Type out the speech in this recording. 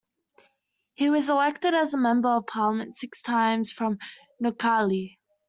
He was elected as a Member of Parliament six times from Noakhali.